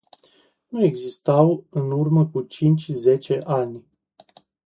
Nu existau în urmă cu cinci-zece ani.